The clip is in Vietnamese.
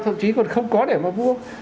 thậm chí còn không có để mà mua